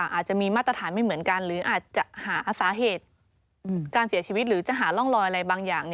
อาจจะมีมาตรฐานไม่เหมือนกันหรืออาจจะหาสาเหตุการเสียชีวิตหรือจะหาร่องลอยอะไรบางอย่าง